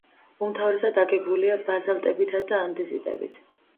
უმთავრესად აგებულია ბაზალტებითა და ანდეზიტებით.